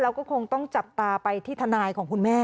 เราก็คงต้องจับตาไปที่ทนายของคุณแม่